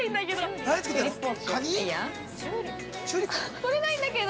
◆撮れないんだけど。